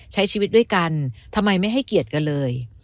ใช้ชีวิตด้วยกันทำไมไม่ให้เกียรติกันเลย